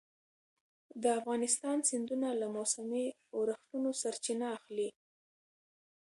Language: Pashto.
د افغانستان سیندونه له موسمي اورښتونو سرچینه اخلي.